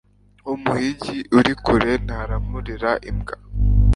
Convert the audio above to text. umuhigi uri kure ntaramurira imbwa